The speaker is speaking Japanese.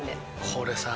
これさ。